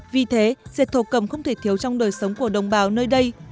vì thế dệt thổ cầm không thể thiếu trong đời sống của đồng bào nơi đây